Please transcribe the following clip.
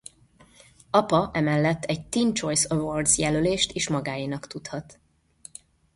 Apa emellett egy Teen Choice Awards-jelölést is magáénak tudhat.